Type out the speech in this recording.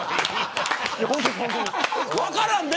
分からんで。